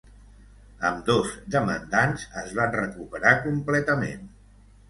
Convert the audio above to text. Ambdós demandants es van recuperar completament.